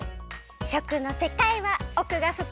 しょくのせかいはおくがふかい。